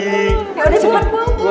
ya udah cepet bu